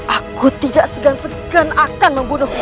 aku tidak segan segan akan membunuh